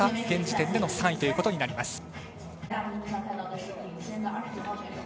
現時点での３位ということになります。